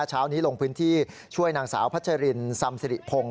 เช้านี้ลงพื้นที่ช่วยนางสาวพัชรินซำสิริพงศ์